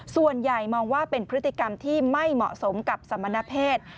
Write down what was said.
ส่วนใหญ่มองว่าเป็นพฤติกรรมที่ไม่เหมาะสมกับสมณเพศ